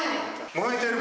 燃えてる。